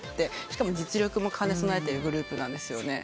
しかも実力も兼ね備えてるグループなんですよね。